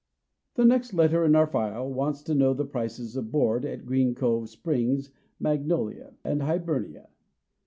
The next letter on our file wants to know the prices of board at Green Cove Springs, Magnolia, and Hibernia.